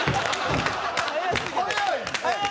早い！